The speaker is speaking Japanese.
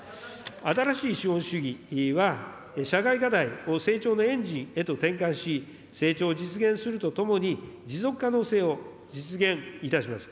新しい資本主義は社会課題を成長のエンジンへと転換し、成長を実現するとともに、持続可能性を実現いたします。